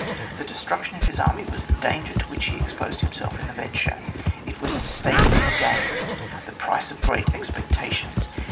The destruction of his army was the danger to which he exposed himself in the venture ; it was the stake in the game, the price of great expecta tions.